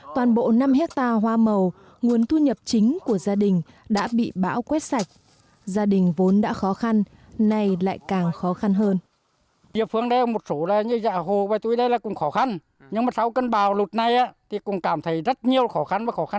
toàn bộ năm hectare hoa màu nguồn thu nhập chính của gia đình đã bị bão quét sạch gia đình vốn đã khó khăn nay lại càng khó khăn hơn